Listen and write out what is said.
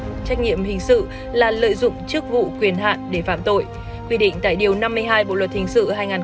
chịu trách nhiệm hình sự là lợi dụng chức vụ quyền hạn để phạm tội quy định tại điều năm mươi hai bộ luật hình sự hai nghìn một mươi năm